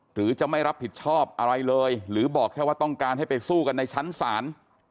หรือจะไม่รับผิดชอบอะไรเลยหรือบอกแค่ว่าต้องการให้ไปสู้กันในชั้นศาล